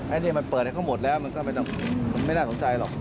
อันนี้มันเปิดให้เขาหมดแล้วมันก็ไม่น่าสนใจหรอก